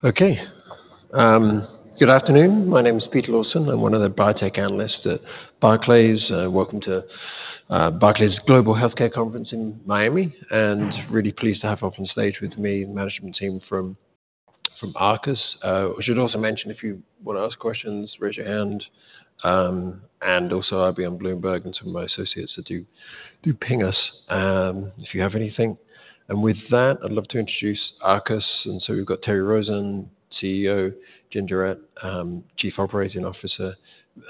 Good afternoon. My name is Peter Lawson. I'm one of the biotech analysts at Barclays. Welcome to the Barclays Global Healthcare Conference in Miami, and really pleased to have up on stage with me the management team from Arcus. I should also mention if you want to ask questions, raise your hand, and also I'll be on Bloomberg and some of my associates that do ping us, if you have anything. With that, I'd love to introduce Arcus. We've got Terry Rosen, CEO, Jen Jarrett, Chief Operating Officer.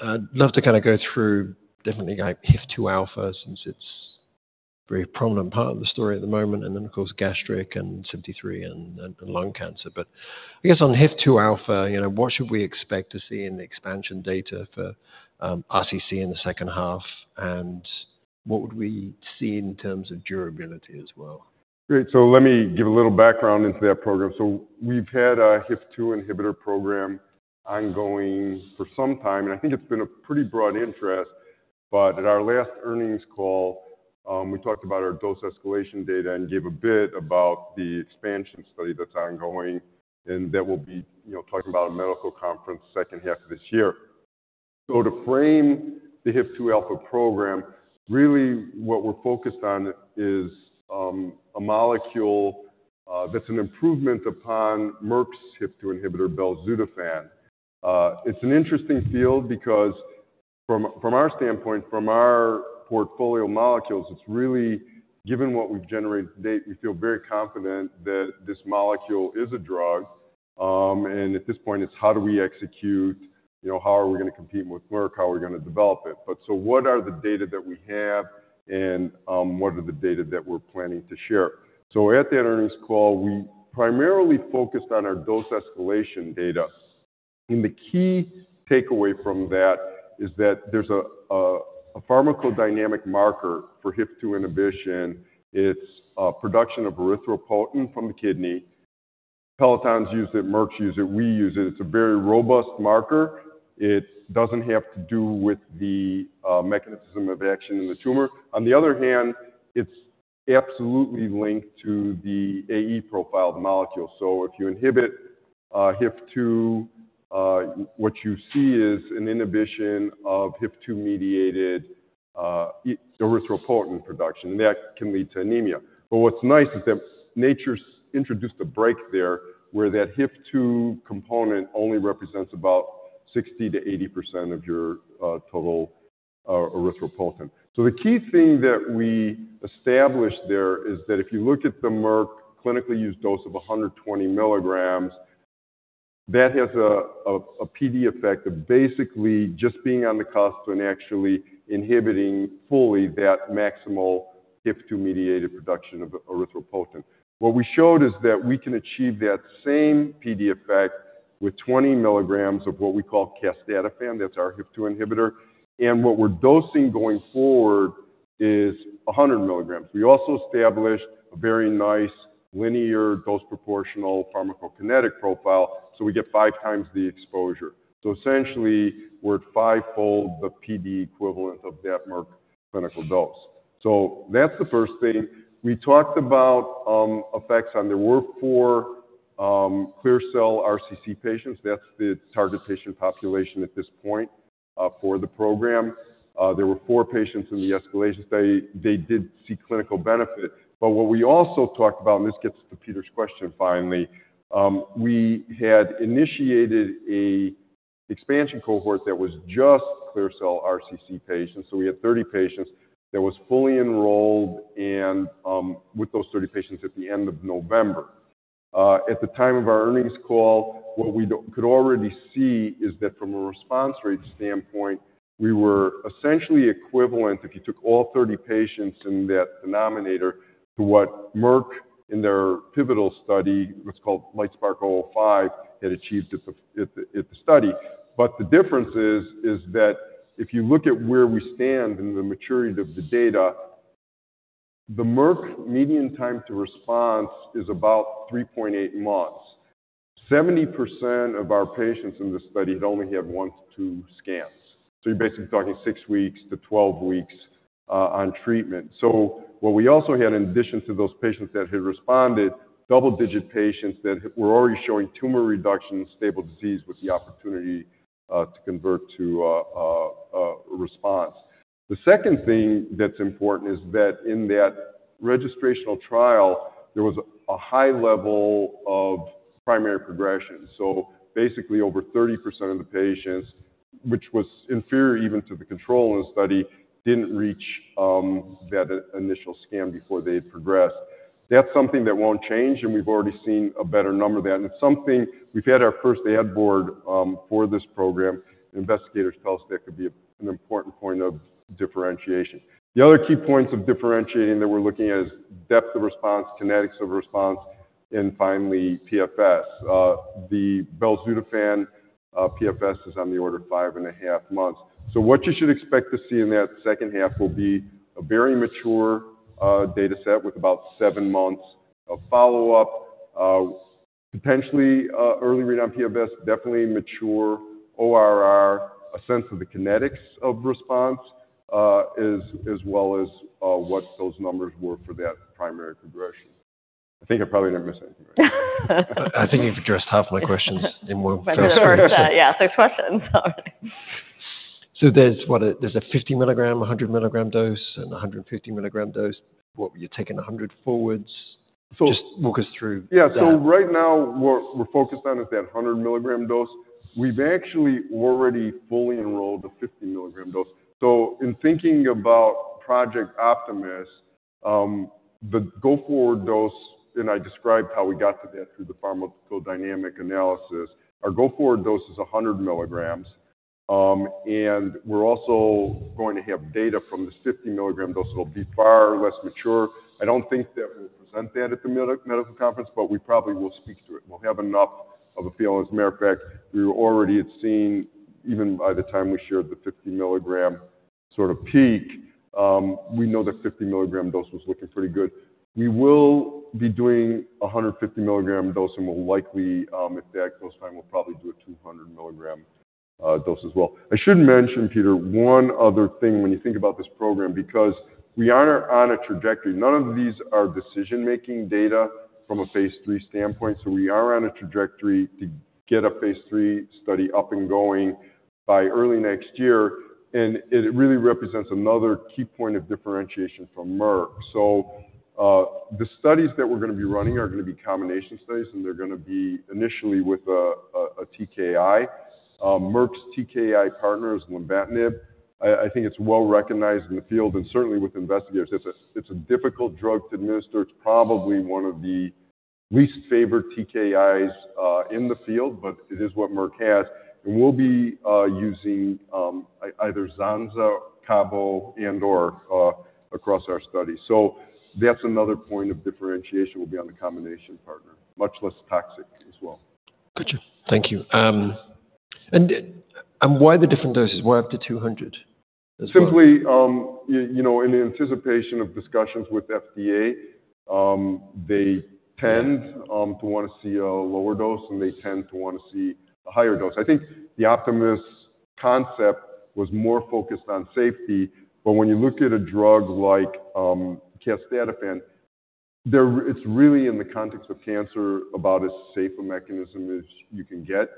I'd love to go through HIF-2α since it's a very prominent part of the story at the moment, and then, of course, gastric and 73 and lung cancer. I guess on HIF-2α, what should we expect to see in the expansion data for RCC in H2, and what would we see in terms of durability as well? Great. So let me give a little background into that program. So we've had a HIF-2α inhibitor program ongoing for some time, and I think it's been of pretty broad interest. But at our last earnings call, we talked about our dose escalation data and gave a bit about the expansion study that's ongoing, and that will be, you know, talking about a medical conference second half of this year. To frame the HIF-2α program, really what we're focused on is a molecule that's an improvement upon Merck's HIF-2α inhibitor, belzutifan. It's an interesting field because from our portfolio molecules, it's really given what we've generated to date, we feel very confident that this molecule is a drug. At this point, it's how are we going to compete with Merck, how are we going to develop it. What are the data that we have, and what are the data that we're planning to share? At that earnings call, we primarily focused on our dose escalation data. The key takeaway from that is that there's a pharmacodynamic marker for HIF-2 inhibition. It's production of erythropoietin from the kidney. Peloton's use it, Merck's use it, we use it. It's a very robust marker. It doesn't have to do with the mechanism of action in the tumor. On the other hand, it's absolutely linked to the AE profile, the molecule. If you inhibit HIF-2, what you see is an inhibition of HIF-2-mediated erythropoietin production, and that can lead to anemia. What's nice is that nature's introduced a break there where that HIF-2 component only represents about 60% to 80% of your total erythropoietin. The key thing that we established there is that if you look at the Merck clinically used dose of 120mg, that has a PD effect of basically just being on the cusp and actually inhibiting fully that maximal HIF-2-mediated production of erythropoietin. What we showed is that we can achieve that same PD effect with 20mg of what we call casdatifan. That's our HIF-2 inhibitor. What we're dosing going forward is 100mg. We also established a very nice, linear, dose proportional pharmacokinetic profile, so we get 5x the exposure. Essentially, we're at fivefold the PD equivalent of that Merck clinical dose, so that's the first thing. We talked about effects on there. There were four clear-cell RCC patients. That's the target patient population at this point, for the program. There were four patients in the escalation study. They did see clinical benefit, but what we also talked about, and this gets to Peter's question finally, we had initiated an expansion cohort that was just clear-cell RCC patients. We had 30 patients that were fully enrolled and, with those 30 patients at the end of November, at the time of our earnings call, what we could already see is that from a response rate standpoint, we were essentially equivalent, if you took all 30 patients in that denominator, to what Merck in their pivotal study, what's called LITESPARK-005, had achieved at the study. The difference is that if you look at where we stand in the maturity of the data, the Merck median time to response is about 3.8 months. 70% of our patients in this study had only had one to two scans. You're basically talking six to 12 weeks on treatment. What we also had, in addition to those patients that had responded, double-digit patients that were already showing tumor reduction, stable disease with the opportunity to convert to response. The second thing that's important is that in that registrational trial, there was a high level of primary progression. Basically, over 30% of the patients, which was inferior even to the control in the study, didn't reach that initial scan before they had progressed. That's something that won't change, and we've already seen a better number of that. It's something we've had our first ad board for this program, and investigators tell us that could be an important point of differentiation. The other key points of differentiating that we're looking at is depth of response, kinetics of response, and finally, PFS. The belzutifan, PFS is on the order of 5.5 months. What you should expect to see in that second half will be a very mature, dataset with about seven months of follow-up, potentially, early read on PFS, definitely mature ORR, a sense of the kinetics of response, as, as well as, what those numbers were for that primary progression. I think I probably didn't miss anything. There's a 50mg, 100mg dose, and 150mg dose. What were you taking 100mg forwards? Just walk us through. Yeah. Right now, what we're focused on is that 100mg dose. We've actually already fully enrolled the 50mg dose. In thinking about Project Optimus, the go-forward dose, and I described how we got to that through the pharmacodynamic analysis, our go-forward dose is 100mg. We're also going to have data from this 50mg dose that'll be far less mature. I don't think that we'll present that at the medical conference, but we probably will speak to it. We'll have enough of a feel. As a matter of fact, we were already at seeing even by the time we shared the 50mg sort of peak, we know the 50mg dose was looking pretty good. We will be doing a 150mg dose, and we'll likely, if that goes fine, we'll probably do a 200mg dose as well. I should mention, Peter, one other thing when you think about this program, because we are on a trajectory. None of these are decision-making data from a phase III standpoint. We are on a trajectory to get a phase III study up and going by early next year, and it really represents another key point of differentiation from Merck. The studies that we're going to be running are going to be combination studies, and they're going to be initially with a TKI. Merck's TKI partner is lenvatinib. I think it's well recognized in the field, and certainly with investigators. It's a difficult drug to administer. It's probably one of the least favored TKIs in the field, but it is what Merck has. We'll be using either cabozantinib, Cabo across our study. That's another point of differentiation. We'll be on the combination partner, much less toxic as well. Got you. Why the different doses? Why up to 200mg? In anticipation of discussions with the FDA, they tend to want to see a lower dose, and they tend to want to see a higher dose. I think the Optimus concept was more focused on safety, but when you look at a drug like casdatifan, there it's really in the context of cancer about as safe a mechanism as you can get.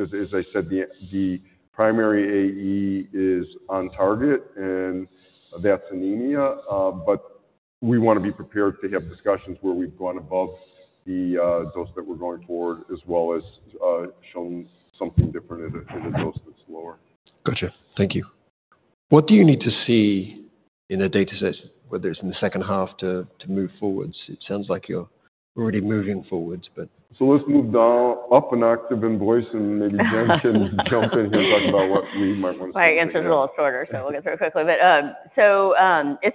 As I said, the primary AE is on target, and that's anemia. But we want to be prepared to have discussions where we've gone above the dose that we're going forward, as well as shown something different at a dose that's lower. Got you. What do you need to see in the dataset, whether it's in H2 to move forward? It sounds like you're already moving forward. Let's move down up an octave in voice, and maybe Jen can jump in here and talk about what we might want to see. My answers are a little shorter, so we'll get through it quickly. As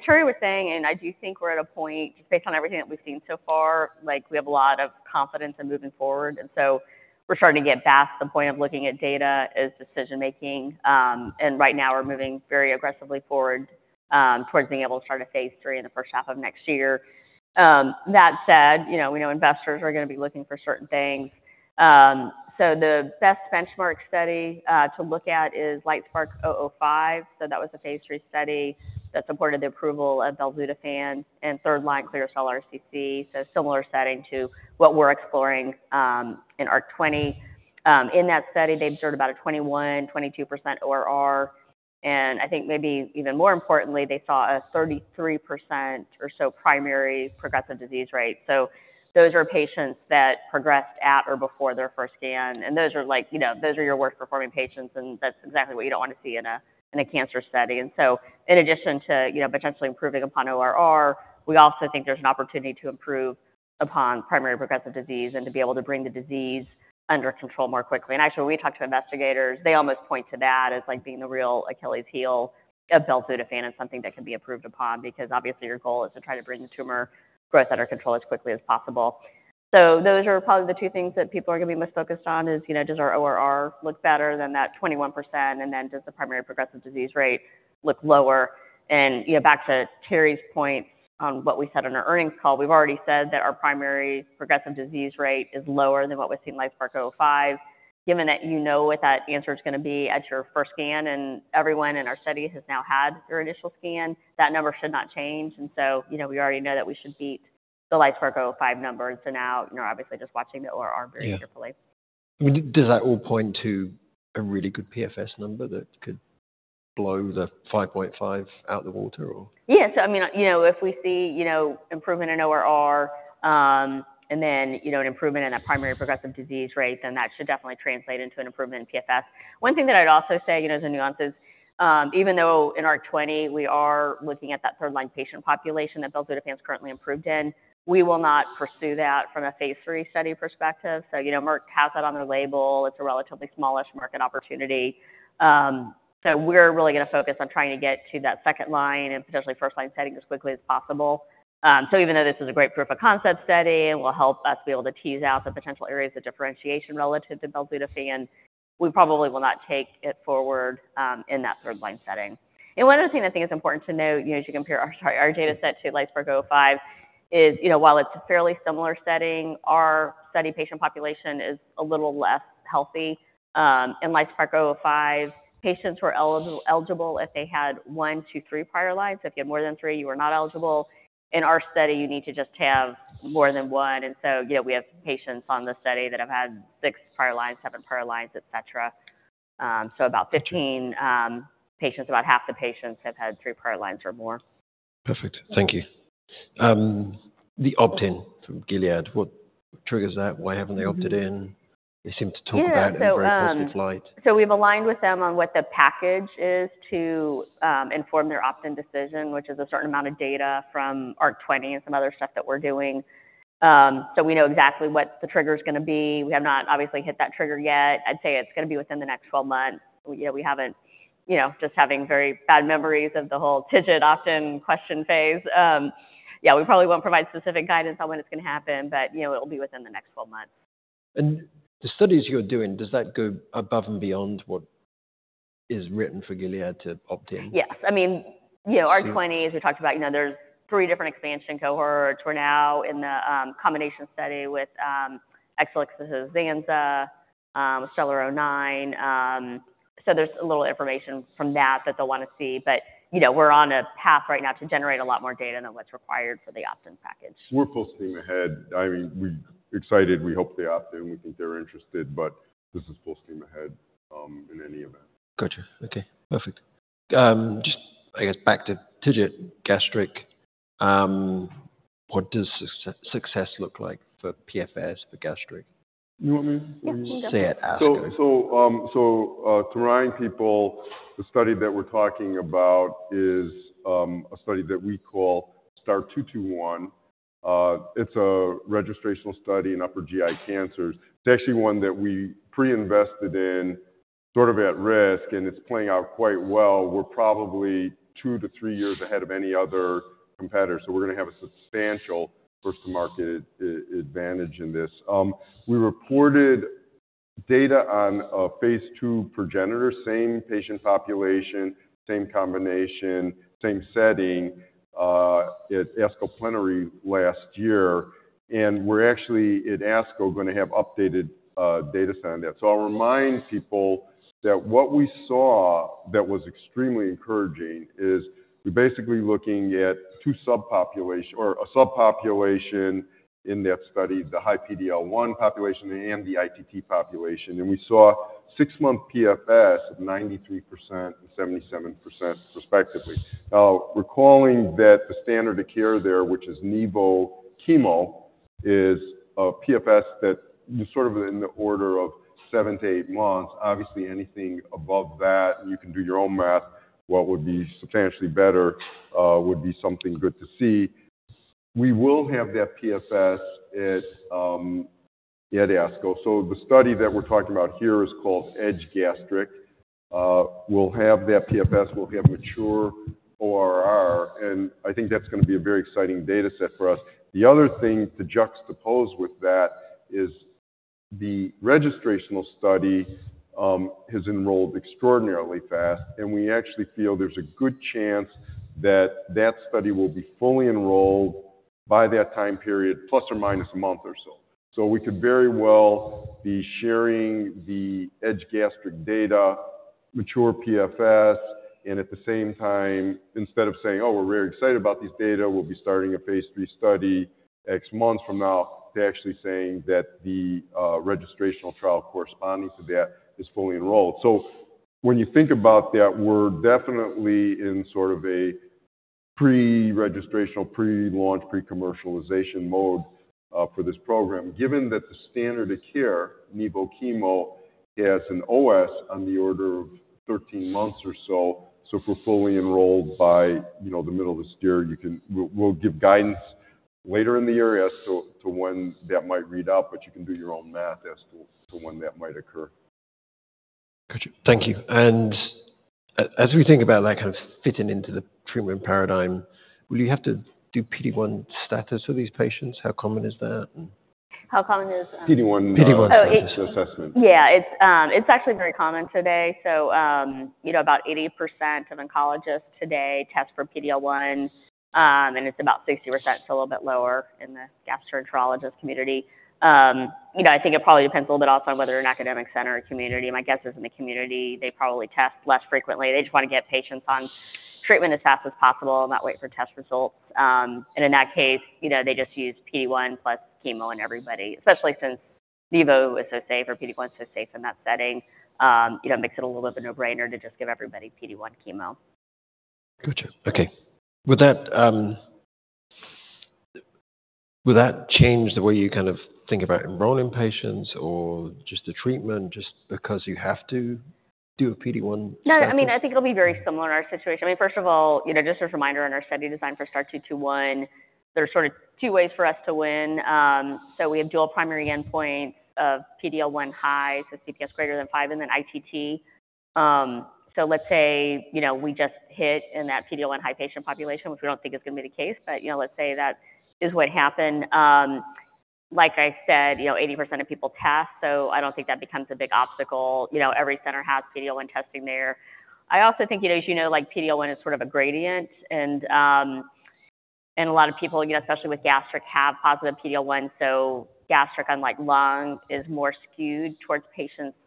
Terry was saying, and I do think we're at a point, just based on everything that we've seen so far, like, we have a lot of confidence in moving forward. And so we're starting to get past the point of looking at data as decision-making. And right now, we're moving very aggressively forward, towards being able to start a phase III in H1 of next year. That said, you know, we know investors are going to be looking for certain things. The best benchmark study to look at is LITESPARK-005. So that was a phase III study that supported the approval of belzutifan in third-line clear-cell RCC. So similar setting to what we're exploring in ARC-20. In that study, they observed about a 21% to 22% ORR. Even more importantly, they saw a 33% or so primary progressive disease rate. So those are patients that progressed at or before their first scan. And those are like, you know, those are your worst performing patients, and that's exactly what you don't want to see in a cancer study. And so in addition to, you know, potentially improving upon ORR, we also think there's an opportunity to improve upon primary progressive disease and to be able to bring the disease under control more quickly. And actually, when we talk to investigators, they almost point to that as like being the real Achilles' heel of belzutifan and something that can be improved upon because obviously, your goal is to try to bring the tumor growth under control as quickly as possible. So those are probably the two things that people are going to be most focused on is, you know, does our ORR look better than that 21%, and then does the primary progressive disease rate look lower? And, you know, back to Terry's points on what we said on our earnings call, we've already said that our primary progressive disease rate is lower than what we've seen LITESPARK-005. Given that you know what that answer is going to be at your first scan, and everyone in our study has now had their initial scan, that number should not change. And so, you know, we already know that we should beat the LITESPARK-005 number. And so now, you know, we're obviously just watching the ORR very carefully. Does that all point to a really good PFS number that could blow the 5.5 out of the water? Yeah. So, I mean, you know, if we see, you know, improvement in ORR, and then, you know, an improvement in that primary progressive disease rate, then that should definitely translate into an improvement in PFS. One thing that I'd also say, you know, as a nuance is, even though in ARC-20, we are looking at that third-line patient population that belzutifan's currently approved in, we will not pursue that from a phase three study perspective. So, you know, Merck has that on their label. It's a relatively smallish market opportunity. So we're really going to focus on trying to get to that second line and potentially first line setting as quickly as possible. So even though this is a great proof of concept study and will help us be able to tease out the potential areas of differentiation relative to belzutifan, we probably will not take it forward, in that third-line setting. And one other thing I think is important to note, you know, as you compare our dataset to LITESPARK-005 is, you know, while it's a fairly similar setting, our study patient population is a little less healthy. In LITESPARK-005, patients were eligible if they had one, two, three prior lines. So if you had more than three, you were not eligible. In our study, you need to just have more than one. And so, you know, we have patients on the study that have had six prior lines, seven prior lines, etc. About 15 patients, about half the patients have had three prior lines or more. Perfect. The opt-in from Gilead, what triggers that? Why haven't they opted in? They seem to talk about it in very positive light. We've aligned with them on what the package is to inform their opt-in decision, which is a certain amount of data from ARC-20 and some other stuff that we're doing. So we know exactly what the trigger is going to be. We have not obviously hit that trigger yet. I'd say it's going to be within the next 12 months. You know, we haven't, you know, just having very bad memories of the whole TIGIT opt-in question phase. Yeah, we probably won't provide specific guidance on when it's going to happen, but, you know, it'll be within the next 12 months. The studies you're doing, does that go above and beyond what is written for Gilead to opt in? Yes. ARC-20, as we talked about, you know, there's three different expansion cohorts. We're now in the combination study with Exelixis' Zanza, STELLAR-009. So there's a little information from that that they'll want to see. But, you know, we're on a path right now to generate a lot more data than what's required for the opt-in package. We're full steam ahead. We're excited. We hope they opt in. We think they're interested, but this is full steam ahead, in any event. Got you. Back to TIGIT, gastric, what does success look like for PFS, for gastric? You want me to? Say it. To remind people, the study that we're talking about is a study that we call STAR-221. It's a registrational study in upper GI cancers. It's actually one that we pre-invested in sort of at risk, and it's playing out quite well. We're probably two to three years ahead of any other competitor. We're going to have a substantial first-to-market advantage in this. We reported data on a phase II progenitor, same patient population, same combination, same setting, at ASCO Plenary last year. We're actually at ASCO going to have updated dataset on that. So I'll remind people that what we saw that was extremely encouraging is we're basically looking at two subpopulations or a subpopulation in that study, the high PD-L1 population and the ITT population. And we saw six-month PFS of 93% and 77%, respectively. Now, recalling that the standard of care there, which is Nivo chemo, is a PFS that is sort of in the order of seven to eight months. Obviously, anything above that, and you can do your own math, what would be substantially better, would be something good to see. We will have that PFS at ASCO. The study that we're talking about here is called EDGE-Gastric. We'll have that PFS. We'll have mature ORR. And I think that's going to be a very exciting dataset for us. The other thing to juxtapose with that is the registrational study, has enrolled extraordinarily fast, and we actually feel there's a good chance that that study will be fully enrolled by that time period, plus or minus a month or so. We could very well be sharing the ARC-7 Gastric data, mature PFS, and at the same time, instead of saying, "Oh, we're very excited about these data. We'll be starting a phase III study X months from now," to actually saying that the registrational trial corresponding to that is fully enrolled. So when you think about that, we're definitely in sort of a pre-registrational, pre-launch, pre-commercialization mode, for this program, given that the standard of care, Nivo chemo, has an OS on the order of 13 months or so. So if we're fully enrolled by, you know, the middle of this year, you can, we'll give guidance later in the year as to when that might read out, but you can do your own math as to when that might occur. Got you. As we think about that kind of fitting into the treatment paradigm, will you have to do PD-1 status for these patients? How common is that? How common is? PD-1 assessment. Yeah. It's actually very common today. So, you know, about 80% of oncologists today test for PD-L1, and it's about 60%. It's a little bit lower in the gastroenterologist community. You know, I think it probably depends a little bit also on whether you're an academic center or community. My guess is in the community, they probably test less frequently. They just want to get patients on treatment as fast as possible and not wait for test results. And in that case, you know, they just use PD-1 plus chemo in everybody, especially since Nivo is so safe or PD-1 is so safe in that setting. You know, it makes it a little bit of a no-brainer to just give everybody PD-1 chemo. Got you. Would that change the way you kind of think about enrolling patients or just the treatment just because you have to do a PD-1 study? I think it'll be very similar in our situation. First of all, you know, just a reminder on our study design for STAR-221, there's sort of two ways for us to win. So we have dual primary endpoints of PD-L1 high, so CPS greater than 5, and then ITT. So let's say, you know, we just hit in that PD-L1 high patient population, which we don't think is going to be the case, but, you know, let's say that is what happened. Like I said, you know, 80% of people test, so I don't think that becomes a big obstacle. You know, every center has PD-L1 testing there. I also think, you know, as you know, like PD-L1 is sort of a gradient. And a lot of people, you know, especially with gastric, have positive PD-L1. Gastric, unlike lung, is more skewed towards patients,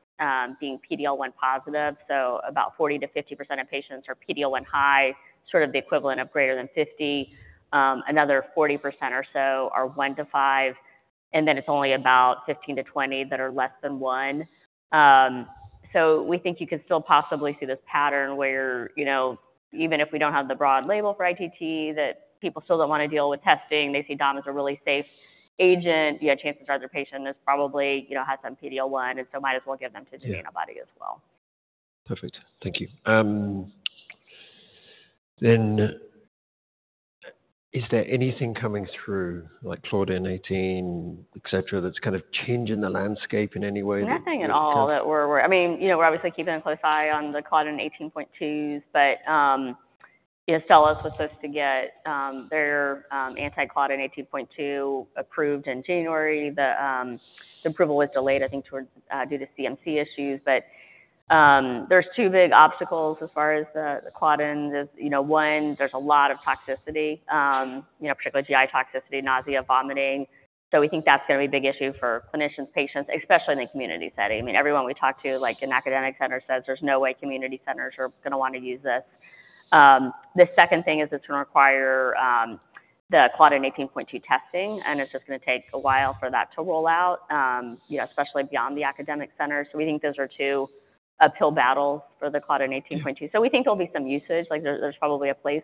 being PD-L1 positive. So about 40% to 50% of patients are PD-L1 high, sort of the equivalent of greater than 50%. Another 40% or so are one to five. And then it's only about 15% to 20% that are less than one. So we think you could still possibly see this pattern where you're, you know, even if we don't have the broad label for ITT, that people still don't want to deal with testing. They see Dom as a really safe agent. You know, chances are their patient has probably, you know, had some PD-L1, and so might as well give them the anti-PD-1 antibody as well. Perfect. Is there anything coming through, like Claudin-18, etc., that's kind of changing the landscape in any way? We're obviously keeping a close eye on the Claudin-18.2s, but, you know, Astellas was supposed to get their anti-Claudin-18.2 approved in January. The approval was delayed, I think, due to CMC issues. But, there's two big obstacles as far as the Claudins. You know, one, there's a lot of toxicity, you know, particularly GI toxicity, nausea, vomiting. So we think that's going to be a big issue for clinicians, patients, especially in the community setting. I mean, everyone we talk to, like an academic center says, there's no way community centers are going to want to use this. The second thing is it's going to require the Claudin-18.2 testing, and it's just going to take a while for that to roll out, you know, especially beyond the academic centers. So we think those are two uphill battles for the Claudin-18.2. So we think there'll be some usage. Like, there's probably a place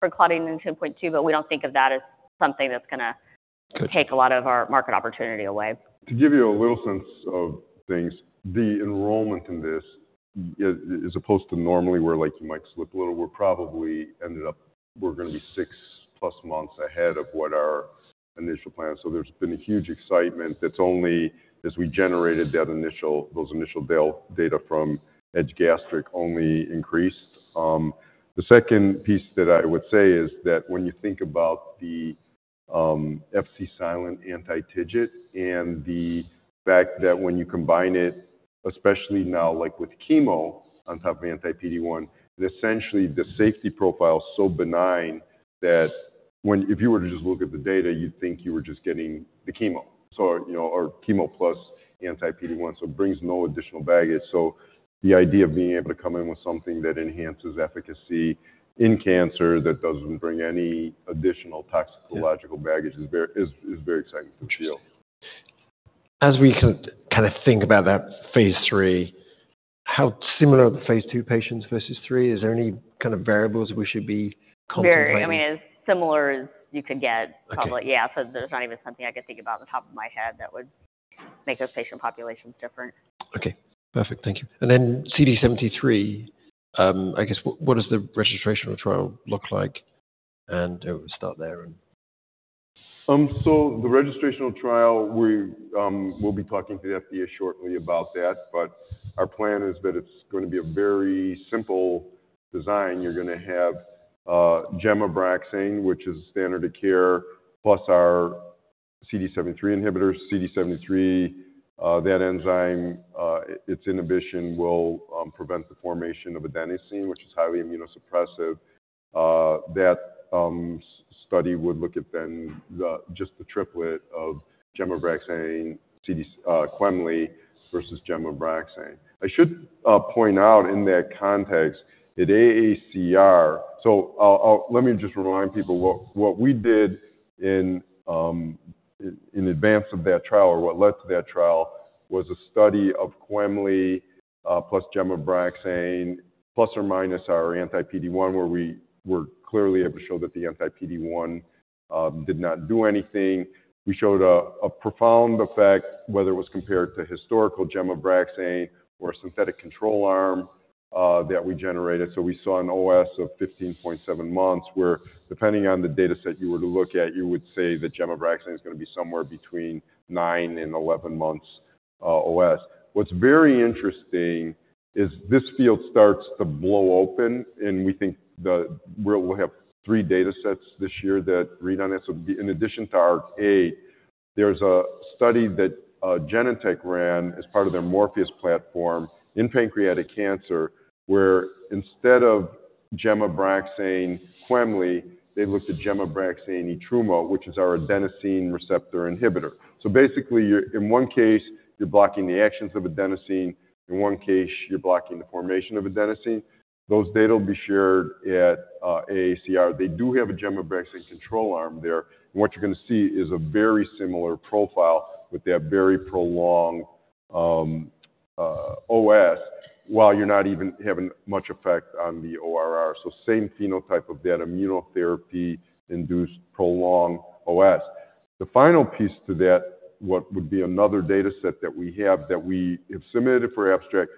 for Claudin-18.2, but we don't think of that as something that's going to take a lot of our market opportunity away. To give you a little sense of things, the enrollment in this, as opposed to normally where, like, you might slip a little, we're probably ended up, we're going to be six plus months ahead of what our initial plan is. So there's been a huge excitement that's only, as we generated that initial, those initial data from ARC-7 gastric, only increased. The second piece that I would say is that when you think about the Fc-silent anti-TIGIT and the fact that when you combine it, especially now, like with chemo on top of anti-PD-1, it's essentially the safety profile so benign that when, if you were to just look at the data, you'd think you were just getting the chemo. So, you know, or chemo plus anti-PD-1, so it brings no additional baggage. The idea of being able to come in with something that enhances efficacy in cancer that doesn't bring any additional toxicological baggage is very exciting to feel. As we kind of think about that phase III, how similar are the phase II patients versus III? Is there any kind of variables we should be considering? Very, I mean, as similar as you could get. Yeah. So there's not even something I could think about on the top of my head that would make those patient populations different. Okay. Perfect. Thank you. And then CD73, I guess, what does the registration or trial look like? And we'll start there. The registration or trial, we'll be talking to the FDA shortly about that, but our plan is that it's going to be a very simple design. You're going to have Gem/Abraxane, which is a standard of care, plus our CD73 inhibitor. CD73, that enzyme, its inhibition will prevent the formation of adenosine, which is highly immunosuppressive. That study would look at then just the triplet of Gem/Abraxane, quemliclustat versus Gem/Abraxane. I should point out in that context at AACR, so I'll let me just remind people what we did in advance of that trial or what led to that trial was a study of quemliclustat, plus Gem/Abraxane, plus or minus our anti-PD-1 where we were clearly able to show that the anti-PD-1 did not do anything. We showed a profound effect, whether it was compared to historical Gem/Abraxane or a synthetic control arm, that we generated. So we saw an OS of 15.7 months where, depending on the dataset you were to look at, you would say that Gem/Abraxane is going to be somewhere between nine and 11 months, OS. What's very interesting is this field starts to blow open, and we think that we'll have three datasets this year that read on it. In addition to ARC-8, there's a study that Genentech ran as part of their Morpheus platform in pancreatic cancer where instead of Gem/Abraxane, quemliclustat, they looked at Gem/Abraxane etrumadenant, which is our adenosine receptor inhibitor. So basically, you're in one case, you're blocking the actions of adenosine. In one case, you're blocking the formation of adenosine. Those data will be shared at AACR. They do have a Gem/Abraxane control arm there. What you're going to see is a very similar profile with that very prolonged OS while you're not even having much effect on the ORR. So same phenotype of that immunotherapy-induced prolonged OS. The final piece to that, what would be another dataset that we have that we have submitted for abstract,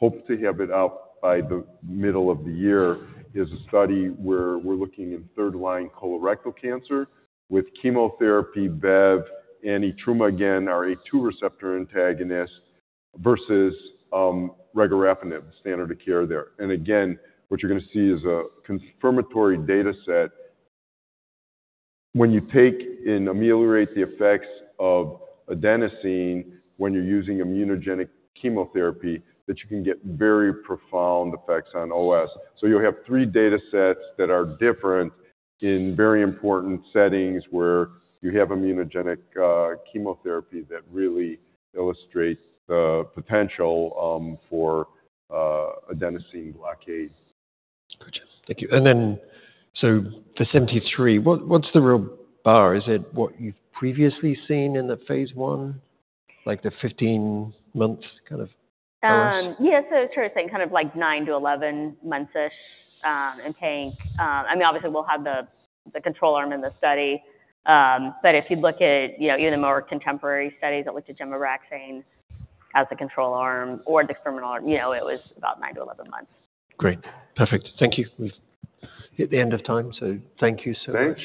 hope to have it out by the middle of the year, is a study where we're looking in third-line colorectal cancer with chemotherapy, Bev, and etrumadenant, again, our A2 receptor antagonist, versus regorafenib, the standard of care there. Again, what you're going to see is a confirmatory dataset when you take and ameliorate the effects of adenosine when you're using immunogenic chemotherapy that you can get very profound effects on OS. So you'll have three datasets that are different in very important settings where you have immunogenic chemotherapy that really illustrate the potential for adenosine blockade. Got you. For 73, what's the real bar? Is it what you've previously seen in the phase I, like the 15-month kind of OS? Yeah. So it's sort of saying kind of like nine to 11 months-ish, in pink. I mean, obviously, we'll have the control arm in the study. But if you look at, you know, even the more contemporary studies that looked at Gem/Abraxane as the control arm or the experimental arm, you know, it was about nine to 11 months. Great. Perfect. Thank you. We've hit the end of time. So thank you so much.